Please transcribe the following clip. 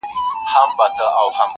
هغه بورا وي همېشه خپله سینه څیرلې؛